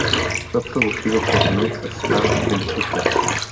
Fue producido por North Star Computers.